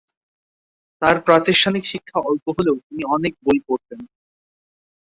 তার প্রাতিষ্ঠানিক শিক্ষা অল্প হলেও তিনি অনেক বই পড়তেন।